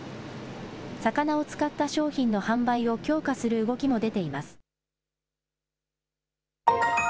魚を使った商品の販売を強化する動きも出ています。